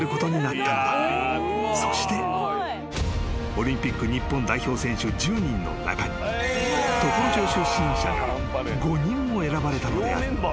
［オリンピック日本代表選手１０人の中に常呂町出身者が５人も選ばれたのである］